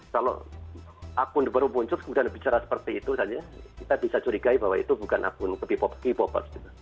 kalau akun baru muncul kemudian bicara seperti itu saja kita bisa curigai bahwa itu bukan akun k popers